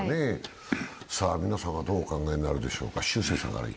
皆さんはどうお考えになるでしょうか。